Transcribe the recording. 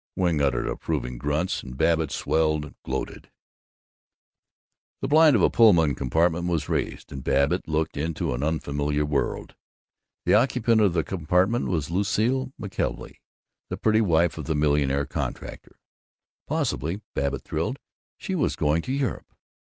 Wing uttered approving grunts and Babbitt swelled gloated The blind of a Pullman compartment was raised, and Babbitt looked into an unfamiliar world. The occupant of the compartment was Lucile McKelvey, the pretty wife of the millionaire contractor. Possibly, Babbitt thrilled, she was going to Europe!